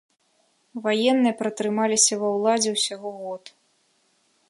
Ваенныя пратрымаліся ва ўладзе ўсяго год.